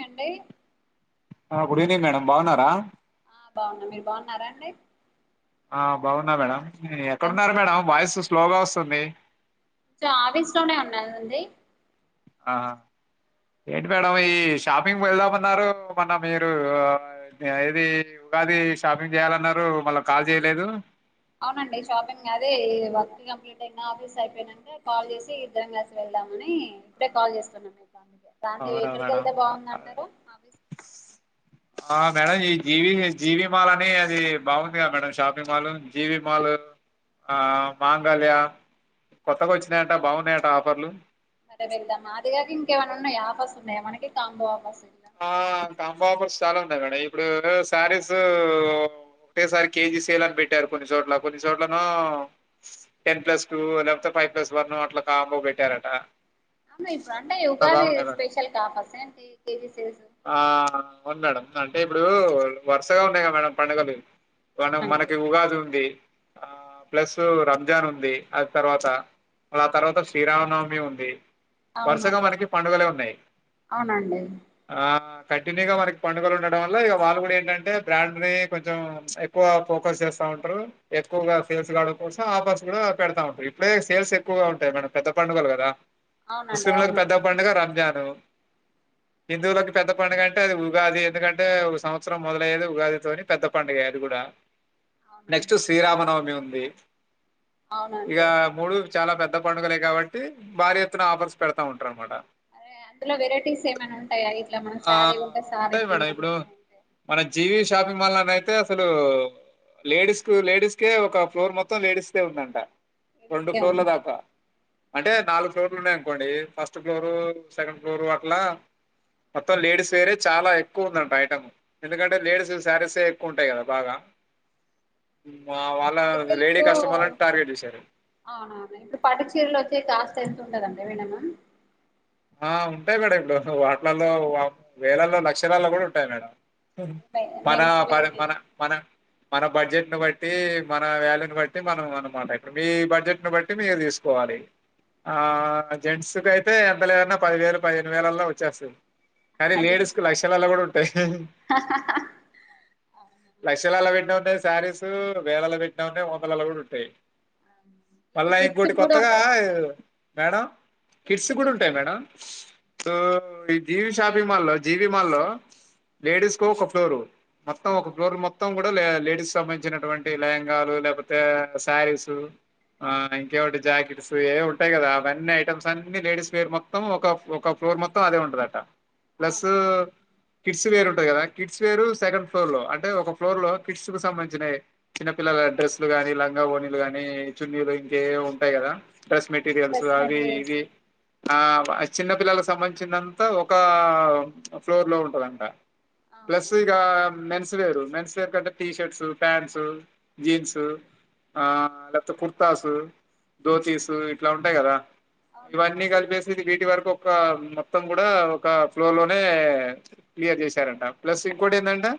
యెండే ఆ good evening madam బాన్నారా ఆ బాగున్నా మీరు బాగున్నారా అండి ఆ బావున్నా మేడం ఇ ఎక్కడున్నారు మేడమ్ వాయస్ వస్త్ స్లో గా వస్తంది చ ఆఫీస్ లోనే ఉన్నానండి ఆ ఏంటి మేడం ఈ షాపింగ్ వెళ్దామన్నారు మన్న మీరు ద ఏది ఉగాది షాపింగ్ చేయాలన్నారు మళ్ళా కాల్ చేయలేదు. అవునండి షాపింగ్ అది వర్క్ కంప్లీట్ అయిన ఆఫీస్ అయిపోయినక కాల్ చేసి ఇద్దరం కలిసి వెళ్దామని ఇప్పుడే కాల్ చేస్తున్నా నేన్ దాంటే అవునా ఎక్కడికి మేడం వెళ్తే బావుందంటారు మా ఆఫీస్ కి ఆ మేడం ఈ జీవి జీవీ మాల్ అని అది బాగుంది కద madam shopping mall GV mall ఆ మాంగాళ్యా కొత్తగా వచ్చినాయంట బాగున్నాయట ఆఫర్లు. ఆటే మర మేల్దమ్మా [unintelligible] అదిే కా ఏమైన్నాయి ఆఫర్స్ ఉన్నాయా మనకి కాంబో ఆఫర్స్సు ఆ కాంబోఆఫర్స్ చాలా ఉంటయ్ మేడం ఇప్ ఇప్పుడు శారీసు ఒక్కటే సారి కేజీ సేల్ అని పెట్టారు కొన్ని చోట్ల, కొన్ని చోట్లలేమో టెన్ ప్లస్ టూ లేకపోతే ఫైవ్ ప్లస్ వన్ అట్లా కాంబో పెట్టారట. అవునా ఇప్పుడు అంటే అట్లా ఉగాది బాగున్నాయి మేడం. స్పెషల్క ఆఫర్స్ సా ఏంటి కేజీ సెల్సు ఆ అవును మేడం అంటే ఇప్పుడు వరుసగా ఉన్నాయి కదా మేడం పండుగలు మనం మనకి ఉగాది ఉంది ఆ ప్లస్ రంజాన్ ఉంది అది తర్వాత ఆ తర్వాత శ్రీరామనవమి ఉంది. వరుసగా మనకి పండుగలే ఉన్నాయ్ ఆ కంటిన్యూగా మనకి పండుగలు ఉండడం వల్ల ఇక వాళ్ళు కూడా ఏంటంటే బ్రాండ్ వే కొంచెం ఎక్కువ ఫోకస్ చేస్తా ఉంటారు, ఎక్కువగా సేల్స్ కావడం కోసం ఆఫర్స్ కూడా పెడతా ఉంటారు ఇప్పుడే సేల్స్ ఎక్కువగా ఉంటాయి మేడం పెద్ద పండుగలు కదా. ముస్లిం లకు పెద్ద పండుగ రాంజాన్ హలో హిందువులకి పెద్ద పండుగ అంటే అది ఉగాది, ఎందుకంటే ఒక సంవత్సరం మొదలయ్యేది ఉగాదితోని పెద్ద పండుగే అది కూడా. నెక్స్ట్ శ్రీరామ నవమి ఉం రేప్ ఇకా ముూడు చాలా పెద్ద పండుగలే కాబట్టి భారీ ఎత్తున ఆఫర్స్ పెడతా ఉంటారు అనమాట. అరే అందులో వెరైటీస్ ఏమన్నాయ్ ఇట్లా మనం ఆ సారీ కొంటే సారే ఉంటాయి ఫ్రీ మేడం అని ఇప్పుడు మన జీవి షాపింగ్ మాల్ అని అయితే అసలు లేడీస్ కు లేడీస్కే ఒక ఫ్లోర్ మొత్తం లేడీస్కే ఉందంట రెండు ఫ్లోర్ల దాకా అంటే నాలుగు ఫ్లోర్లు ఉన్నాయ అనుకోండి ఫస్ట్ ఫ్లోరు సెకండ్ ఫ్లోరు అట్లా మొత్తం లేడీస్ వేరే చాలా ఎక్కువ ఉందంట ఐటమ్ ఎందుకంటే లేడీస్ శారీస్ ఏ ఎక్కువ ఉంటాయి కదా బాగా మా అవునండి వాళ్ళ అయితే లేడీ ఇప్పుడు కస్టమర్లను టార్గెట్ చేశారు అవునవును ఇప్పుడు పటుచీరలో వచ్చే కాస్త ఎతు ఉంటదండి ఎదవణమా ఉంటాయి మేడం ఇప్పుడు వాట్లలో వేలల్లో లక్షలల్లో కూడా ఉంటాయి మేడం మన ప మన మన మన బడ్జెట్ని బట్టి మన వ్యాల్యూని బట్టి మనం అనమాట ఇక్కడ మీ బడ్జెట్ని బట్టి మీరు తీసుకోవాలి ఆ జెంట్స్ కయితే ఎంత లేదన్నా పది వేలు పదిహేను వేలల్లో వచ్చేస్తుంది కానీ లేడీస్ కు లక్షలాలో కూడా ఉంటాయి లక్షలాలో పెట్ శారీస్ వేలలు పెట్టినా ఉన్నాయి వందలలో కూడా ఉంటాయి మళ్ళా ఇంకోటి కొత్తగా మేడం కిట్స్ కూడా ఉంట ఉంటాయి మేడం సో ఈ జీవి షాపింగ్ మాల్ జీవి మాల్లో లేడీస్ కు ఒక ఫ్లోరు మొత్తం ఒక ఫ్లోర్ మొత్తం లేడీస్ సంబంధించినటు లేహంగా లేకపోతే శారీస్ ఇంకేటి జాకెట్స్ ఏ ఉంటాయి కదా అవన్నీ ఐటమ్స్ అన్ని లేడస్ ఫేర్ మొత్తం ఒక ఒక ఫ్లోర్ మొత్తం అదే ఉంటదంట ప్లస్ కిడ్స్ వేరు కదా కిడ్స్ వేరు సెకండ్ ఫ్లోర్ లో అంటే ఒక ఫ్లోర్ లో కిడ్స్ కు సంబంధించిన చిన్న పిల్లల డ్రెస్ లు ని లంగా ఓనీలు గానీ చున్నీలు ఇంకే ఉంటాయి కదా డ్రెస్ మెటీరియల్స్ అవి ఇవి ఆ చిన్న పిల్లలకు సంబంధించినంత ఒక ఫ్లోర్ లో ఉంటుందంట ప్లస్ ఇగ మెన్సువేరు మెన్సు కంటే టీ షర్ట్స్ ప్యాంట్స్ జీన్సు ఆ లేకపోతే కుర్తాసు దోతీసు ఇట్లా ఉంటాయి కదా అవునండి ఇవన్నీ అవును కలిపేసి వీటి వరకు ఒక మొత్తం కూడా ఒక ఫ్లోర్ లోనే క్లియర్ చేశారంట ప్లస్ ఇంకోటి ఏంటంటే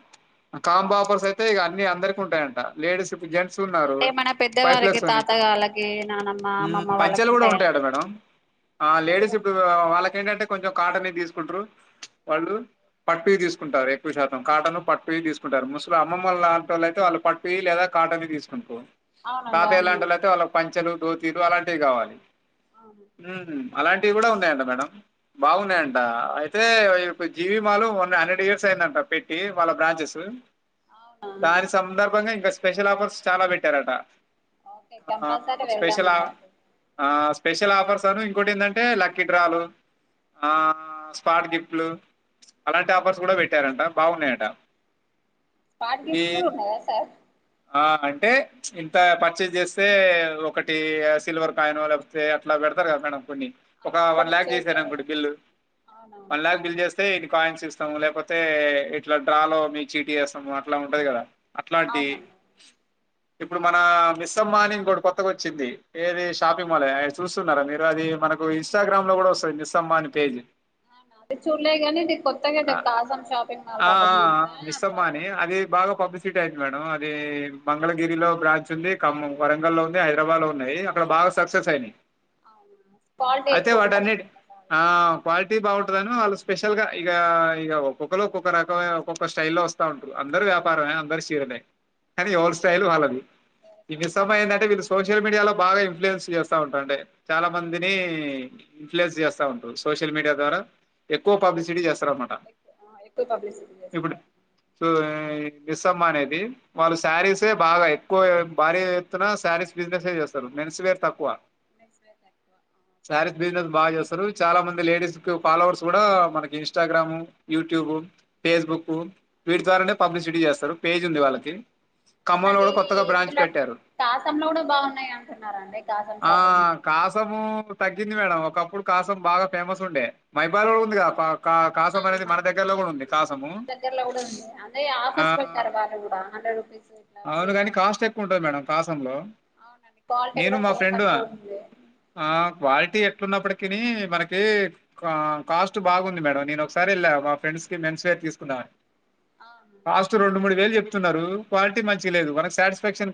కాంబో ఆఫర్స్ అయితే ఇక అన్ని అందరికి ఉంటాయంట లేడీస్ ఇడు జెంట్స్ ఉన్నారు అదేండి మన పెద్ద ఫైవ్ వారికి ప్లస్ ఉన్నాయి తాత వాళ్ళకి నానమ్మ అమ్మమ్మ వాళ్ళకి పంచలు కూడా ఉంటాయా ఉంటాయట మేడం లేడీస్ ఇప్పుడు వాళ్ళకి ఏంటంటే కొంచెం కాటన్ ది తీసుకుంటరు వాళ్ళు పట్టు తీసుకు తీకుంటారు ఎక్కువ శాతం కాటన్ పట్టు తీసుకుంటారు ముస్ం అమ్మళ్ళ లాంటి వాళ్ళ అయితే వాళ్ళ పట్టుయి లేదా కాటన్ తీసుకుంటరూ తాత ఎలాంటిల అయితే వాళ్ళకి ప పంచలు దోతీలు అలాంటివి కావాలి ఆ హ్మ్. అలాంటివి కూడా ఉన్నాయంటా మేడం బాగున్నాయంట అయితే GV mall one hundred years అయిందంట పెట్టి వాళ్ల బ్రాంచెస్ దాని సందర్భంగా ఇంకా స్పెషల్ ఆఫర్స్ చాలా పెట్టారట స్పెషలా ఆ స్పెషల్ ఆఫర్స్ అను ఇకోటి ఏంటంటే లక్కీ డ్రాలు ఆ స్పాట్ గిఫ్ట్లు అలాంటి ఆపర్స్ కూడా పెట్టారంట బాగున్నాయట స్పాట్ ఈ గిఫ్ట్స్ కూడా ఉన్నాయా సార్ ఆ అంటే ఇంత పర్చేస్ చేస్తే ఒకటి సిల్వర్ కాయినో లేకపోతే అట్లా పెడతారు కదా మేడం కొన్ని ఒక వన్ ల్యాక్ చేశారు అనుకోండి బిల్లు వన్ ల్యాక్ బిల్ చేస్తే కాయిన్స్ ఇస్తాము లేకపోతే ఇట్లా డ్రాలో మీ చీటీ చేస్తాము అట్లా ఉంటది కదా అట్లాంటి ఇప్పుడు మన మిస్ మిస్సమ్మ అని ఇంకోటి కొత్తగా వచ్చింది ఏది షాపింగ్ మాల్ చూస్తున్నారా మీరు అది మనకు ఇన్స్టాగ్రామ్ లో కూడా వస్తది మిస్సమ్మ అని పేజ్ అది చూడలే కానీ ఇది కొత్తగా ఆ కాసాం షాపింగ్ మాల్ ఆ, పడ్డదంట ట్ మేడం అది మంగళగిరిలో బ్రాంచ్ ఉంది ఖమ్మం, వరంగల్ లో ఉంది హైదరాబాద్ లో ఉన్నాయి అక్కడ బాగా సక్సెస్ అయినాయి అవునా క్వాలిటీ అయితే ఎక్కువ వాటన్నిటి ఉంటదన్నమాట ఆ క్వాలిటీ బాగుంటందని వాళ్ళు స్పెషల్ గా ఇగా ఇగా ఒక్కొక్కరు ఒక్కొక్క రకమే ఒక్కొక్క స్టైల్ లో లో వస్తా ఉంటారు అందరూ వ్యాపారమే అందరు చీరలే కానీ ఓవారి స్టైల్ వాళ్ళది ఈ మిస్సమ్మ ఏందంటే వీళ్ళు సోషల్ మీడియాలో బాగా ఇన్ఫ్యూలెన్స్ చేస్తా ఉంటాండి చాలా మంది ఇన్ఫ్లయెన్స్ చేస్తా ఉంటారు సోషల్ మీడియా ద్వారా ఎక్కువ పబ్లిసిటీ చేస్తారన్నమాట ఇప్పుడు సో మిస్సమ్మ అనేది వాళ్ళు శారీసే బాగా ఎక్కువ భారీ ఎత్తున్నా శారీస్ బిజినెస్యే చేస్తారు మెన్స్ వేర్ తక్కువ మెన్స్ వేర్ తక్కు శారీస్ బిజినెస్ బాగా చేస్తారు చాలా మంది లేడీస్ ఫాలోవర్స్ కూడా మనకి ఇన్స్టాగ్రామ్, యూట్యూబ్, ఫేస్బుక్ వీటి ద్వారానే పబ్లిసిటీ చేస్తారు పేజ్ ఉంది వాళ్ళకి ఖమ్మంలో అవునండి కూడా కొత్తగా బ్రాంచ్ ఇందులో పెట్టారు కాసం లో కూడా బాగున్నాయి అంటున్నారండి కాసాం ఆ షాపింగ్ మాల్లో కూడా కాసము తగ్గింది మేడం ఒకప్పుడు కాసం బాగా ఫేమస్ ఉండే మైబాద్లా కూడా ఉందిగా క మన దగ్గరలో కూడా ఉంది అదే ఆ ఆఫర్స్ పెట్టారు వాళ్ళు కూడా హండ్రెడ్ రూపీస్ ఇట్లా అవును ఫ్రీ కాని కాస్ట్ ఎక్కువ ఉంటది మేడం కాసంలో అవునండి క్వాలిటీ నేను కూడా మా చాలా ఫ్రెండ్ తక్కువ ఉంది. ఆ క్వాలిటీ ఎట్లున్నప్పటికీనీ మనకి కాస్ట్ బాగుంది మేడం నేను ఒకసారి వెళ్ళా మా ఫ్రెండ్స్కి మెన్స్ వేర్ తీసుకుందామని కాస్ట్ రెండు మూడు వేలు చెప్ న్నారు క్వాలిటీ మంచిగా లేదు మనకు సాటిస్ఫాక్షన్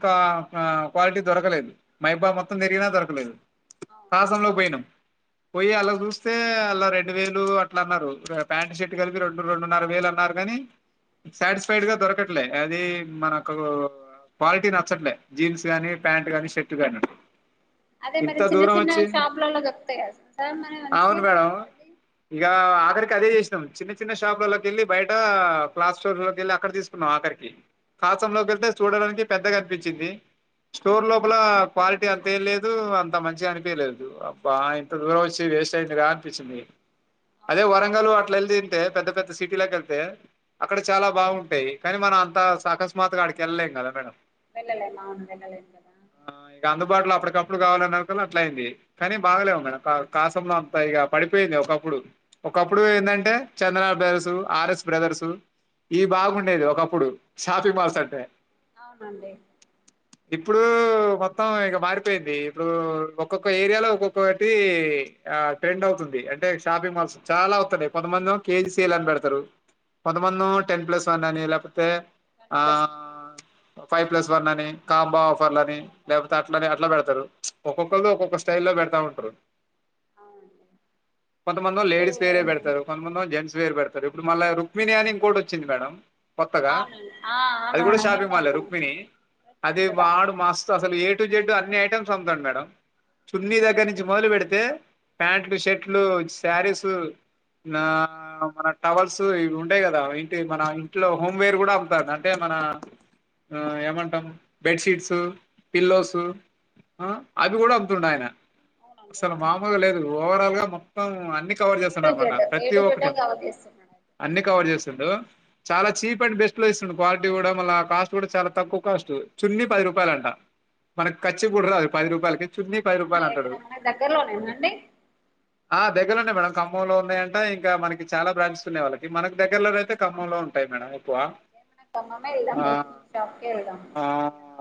క్వాలిటీ దొరకలేదు మైబాద్ మొత్తం తిరిగినా దొరకలేదు కాసంలో పోయినాం పోయి అల్ల చూస్తే అల్ల రెండు వేలు అట్లా అన్నారు ప్యాంట్ షర్ట్ కలిపి రెండు రెండున్నర వేలు అన్నారు కాని సాటిస్ఫైడ్ గా దొరకట్లేదు అది మనకు క్వాలిటీ నచ్చట్లే జీన్స్ గానీ ప్యాంట్ గానీ షర్ట్ గాని అదే మరి చిన్న చిన్న షాపులలో దొరుకుతయా సార్ మరి మంచియి క్వాలిటి యి గా ఆఖరికి అదే చేసినాం చిన్న చిన్న షాపులల్లకెళ్ళి బయట క్లాస్ స్టోర్ లోకెళ్ళి అక్కడ తీసుకున్నాం ఆఖరికి కాసంలోకి వెళ్తే చూడడానికి పెద్దగా అనిపించింది స్టోర్ లోపల క్వాలిటీ అంతేం లేదు అంత మంచిగా అనిపయలేదు అబ్బా ఇంత దూరం వచ్చి వేస్ట్ అయిందిరా అనిపించింది అదే వరంగలు అట్లా వెల్దీ తే పెద్ద పెద్ద సిటీల కెళ్తే అక్కడ చాలా బాగుంటాయి కాని మనం అంత సకస్మాత్ గా అడికె ల్లళ్లేం కదా మేడం వెళ్ళలేమ అవును వెళ్ళలేం కదా బార్లా అప్పటికప్పుడు కాలన్నా అట్లా అయింది కానీ బాగలేవు మేడం కాసంలో అంత ఇగ పడిపోయింది ఒకప్పుడు ఒకప్పుడు ఏందంటే చందన బ్రదర్సు ఆర్ఎస్ బ్రదర్సు ఇ బాగుండేది ఒకప్పుడు షాపింగ్ మాల్స్ అంటే అవునండి ఇప్పుడు మొత్తం ఇక మారిపోయింది ఇప్పుడు. ఒక్కొక్క ఏరియాలో ఒక్కొక్కటి ఆ ట్రెండ్ అవుతుంది అంటే షాపింగ్ మాల్స్ చాలా వతున్నాయి కొంతమంది కేజీ సేల్ అని పెడతారు కొంతమందేమో టెన్ ప్లస్ వన్ అని లేపోతే ఆ ఫైవ్ ప్లస్ వన్ అని కాంబొ ఆఫర్లని లేకపోతే అట్లని అట్లా పెడతారు ఒకోలు ఒక్కొక్క స్టైల్ లో పెడతా ఉంటారు కొంతమందో, లేడీస్ వేరే పెడతారు కొంతమందో జెంట్స్ వేర్ పెడతారు ఇప్పుడు మళ్ళ రుక్మిణి అని ఇంకోటి వచ్చింది మేడం కొత్తగా అది కూడా షాపింగ్ మాలే రుక్మిణి అది వాడు మస్తు అసలు ఏ ఎ టు జడ్ అన్ని ఐటమ్స్ అమ్ముతాండూ మే చున్నీ దగ్గర నుంచి మొదలు పెడితే ప్యాంట్లు షర్ట్లు శారీస్ ఆ మన టవల్స్ ఇవి ఉంటాయి కదా ఇంటి మన ఇంట్లో హోమ్వేర్ కూడా అమ్ముతారు అంటే మన ఏమంటాం బెడ్షీట్స్ పిల్లోసు అవి కూడా అమ్తుండయన అసలు మాముల్ గ లేదు ఓవరాల్గా మొ త్తం అ న్ని కవర్ చేస్తుండ అన్నమాట ప్రతి ఒక్కటి అన్ని కవర్ చేస్ ప్పుడు చాలా చీప్ అండ్ బెస్ట్ ప్లేస్ లో ఇప్పుడు క్వాలిటీ కూడా మళ్ళ కాస్ట్ కూడా చాలా తక్కువ కాస్ట్ చున్ని పది రూపాయలు అంట మనకి కచ్చి కు పది రూపాయలకి అవునా ఇక్కడ మన దగ్గరలోనేనానండి ఆ దగ్గరలో నే మేడం ఖమ్మంలో ఉన్నాయంట ఇంకా మనకి చాలా బ్రాండ్స్ ఉన్నాయి వాళ్ళకి మనకు దగ్గరలో అయితే ఖమ్మంలో ఉంటాయి మేడం ఎక్కువ మన ఖమ్మమే ఎలదాం ఆ ఈ షాప్కే వెళదాం అందరం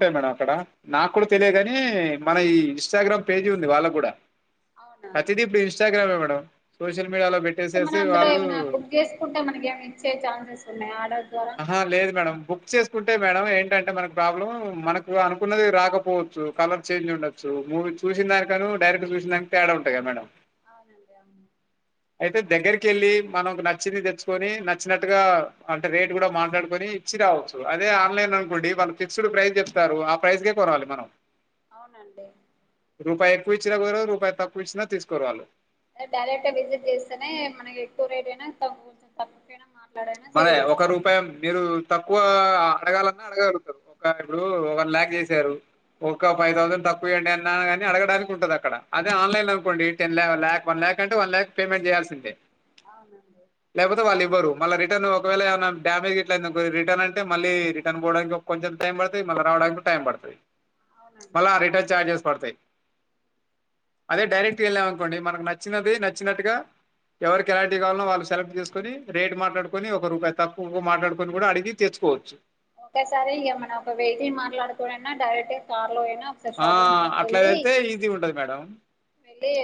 టాయి మేడం అక్కడ నాకు కూడా తెలియగాని మన ఈ ఇన్స్టాగ్రామ్ పేజీ ఉంది వాళ్ళ కూడా ప్రతిది ఇప్పుడు ఇన్స్టగ్రామే మేడం సోషల్ మీడియాలో ఇప్పుడు మన పెట్టేసేసి అందులో వాళ్ళు ఏమైనా బుక్ చేసుకుంటే మనకి ఏమి ఇచ్చే ఛాన్సెస్ ఉన్నాయి ఆర్డర్ ద్వారా కుంటే మేడం ఏంటంటే మనకు ప్రాబ్లం మనకు అనుకున్నది రాకపో చ్చు కలర్ చేంజ్ ఉండొచ్చు మూవీ చూసినానిక డైరెక్ట్ చూసిన దానికి తేడా ఉంటయి కద మేడం అవునండి అవును అయితే దగ్గరికి వెళ్ళి మనకు నచ్చింది తెచ్చుకొని నచ్చినట్టుగా అంటే రేటు కూడా మాట్లాడుకొని ఇచ్చి రావచ్చు అదే ఆన్లైన్ అనుకోండి వాళ్ళు ఫిక్స్డ్ ప్రైస్ చెప్తారు ఆ ప్రైస్ కే కొనాలి మనం అవునండి రూపాయి ఎక్కువ ఇచ్చినా కుదరరు రూపాయి తక్కువ ఇచ్చినా తీసుకోర్ ఆళ్ళు దే డైరెక్ట్ గా విజిట్ చేస్తేనే మనకి ఎక్కువ రేట్ అయినా ఇంకా కొంచెం తక్కుకైనా మా మరి ఒక రూపాయి మీరు తప్ తక్కువ అడగాలన్నా అడగలుగుతారు ఒక ఇప్పుడు వన్ ల్యాక్ చేశారు ఒక ఫైవ్ థౌసండ్ తక్కువియండి అన్నాగాని అడగడానికి ఉంటది అక్కడ అదే ఆన్లైన్ అనుకోండి టెన్ లా లాక్ వన్ ల్యాక్ అంటే వన్ ల్యాక్ పేమెంట్ చేయాల్సిందే లెపోతే వాళ్లు ఇవ్వరు మళ్ళ రేప్ రిటన్ ఒకవేళ ఏమనా డామేజ్ గట్ల అయిందనుకో ఇది రిటన్ అంటే మళ్ళీ రిటర్న్ పోవడానికి కొంచెం టైం పడుతది మళ్ళీ రావడానికి కూడ టైం పడుతది మళ్ళా రిటర్న్ చార్జెస్ పడతాయి అదే డైరెక్ట్ వెళ్ళాం అనుకోండి మనకు నచ్చినది నచ్చినట్టుగా ఎవరికి ఎలాంటి కావలో వాళ్ళు సెలెక్ట్ చేసుకొని రేట్ మాట్లాడుకు కొని ఒక రూపాయి తక్కుకు మాట్లాడుకొని కూడా అడిగి తెచ్చుకోవచ్చు ఒకేసారి ఇగ మన ఒక వెహికల్ మాట్లాడుకోనన్న డైరెక్ట్ గా కా ఆ అట్లాదైతే ఈజీ ఉంటది మేడం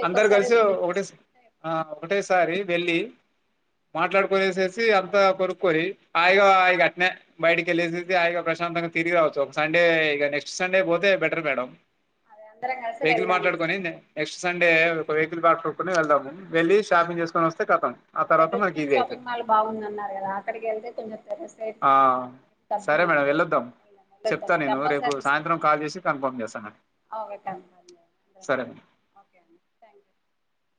అందరు కలిసి ఒ ఒకటే ఆ ఒకటేసారి వెళ్ళి మాట్లాడుకునేసేసి అంతా కొనుక్కొని హాయిగా ఆయిగ అట్నే బయటికి వెళ్ళేసేసి హాగా ప్రశాంతంగా తిరిగి రావచ్చు ఒక సండే ఇక నెక్స్ట్ సండే పోతే బెటర్ మేడం వెహికల్ మాట్లాడుకొని నె నెక్స్ సండే ఒక వెహికల్ బాట చూట్కుని వెళ్దాము వెలి షాపింగ్ చేసుకొని వస్తే కతం ఆ అదే తర్వాత మనకి రుక్మిణి ఈజీ అయితది షాపింగ్ మాల్ బాగుందన్నారు కదా అక్కడికిళ్తే కొంచం పెద్ద సైడ్స్ ఆ సరే మేడం వెళ్ళొద్దాం చెప్తా నేను రేపు కూడా సాయంత్రం కాల్ చేసి కన్ఫర్మ్ చేస్తాను సరే [inaudible]